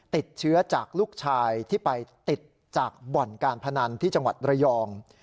ติดเชื้อจากลูกชายที่ไปติดจากบ่อนการพนันที่จังหวัดระยอง